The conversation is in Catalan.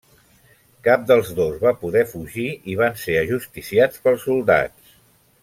Cap dels dos va poder fugir i van ser ajusticiats pels soldats.